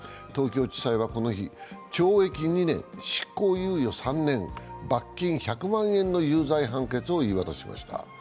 東京地裁はこの日、懲役２年執行猶予３年罰金１００万円の有罪判決を言い渡しました。